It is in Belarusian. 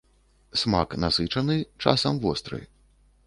Смак насычаны, часам востры.